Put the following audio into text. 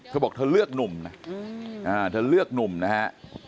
เธอบอกเธอเลือกหนุ่มนะเธอเลือกหนุ่มนะฮะ